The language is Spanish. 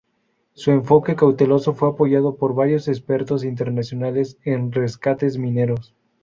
Su enfoque cauteloso fue apoyado por varios expertos internacionales en rescates mineros.